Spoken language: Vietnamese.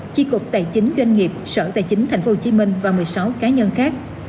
chi cục tài chính doanh nghiệp sở tài chính tp hcm và một mươi sáu cá nhân khác